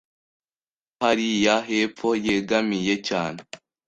Ko hariya hepfo yegamiye cyane